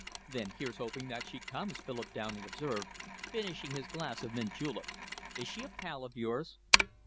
"Then here's hoping that she comes," Philip Downing observed, finishing his glass of mint julep. "Is she a pal of yours?"